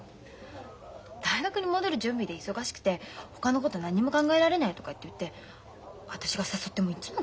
大学に戻る準備で忙しくてほかのこと何にも考えられないとかって言って私が誘ってもいっつも断って。